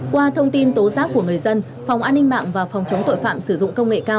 qua thông tin tố giác của người dân phòng an ninh mạng và phòng chống tội phạm sử dụng công nghệ cao